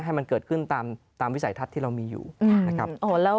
ให้มันเกิดขึ้นตามวิสัยทัศน์ที่เรามีอยู่นะครับ